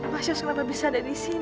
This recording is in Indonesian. mas yus kenapa bisa ada di sini